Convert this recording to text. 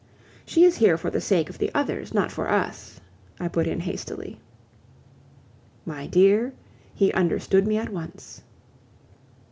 "She is here for the sake of the others, not for us," I put in hastily. My dear, he understood me at once.